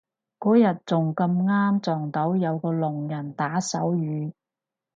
嗰日仲咁啱撞到有個聾人打手語